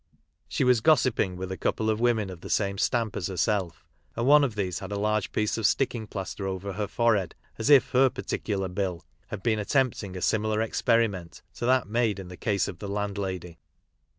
She was gossipping with a couple of women of the same stamp as herself, and one of these had a large piece of sticking plaster over her forehead, as if her particular "Bill" had been attempting a similar experiment to that made in the case of the landlady.